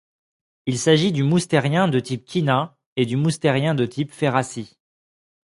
Il s'agit du Moustérien de type Quina et du Moustérien de type Ferrassie.